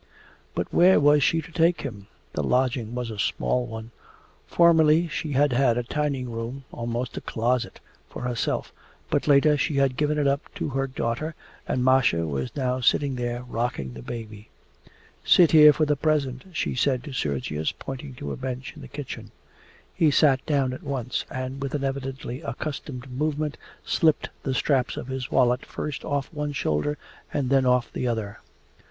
But where was she to take him? The lodging was a small one. Formerly she had had a tiny room, almost a closet, for herself, but later she had given it up to her daughter, and Masha was now sitting there rocking the baby. 'Sit here for the present,' she said to Sergius, pointing to a bench in the kitchen. He sat down at once, and with an evidently accustomed movement slipped the straps of his wallet first off one shoulder and then off the other.